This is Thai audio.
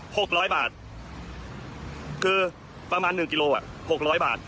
หกร้อยบาทคือประมาณหนึ่งกิโลอ่ะหกร้อยบาท